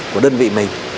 của đơn vị mình